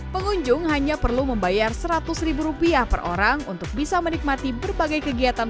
pengunjung hanya perlu membayar seratus ribu rupiah per orang untuk bisa menikmati berbagai kegiatan